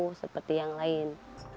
tak bisa cari yang lain